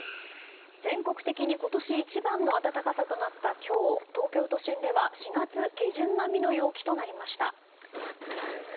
全国的に今年一番の暖かさとなった今日東京都心では４月下旬並みの陽気となりました。